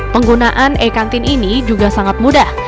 penggunaan e kantin ini juga sangat mudah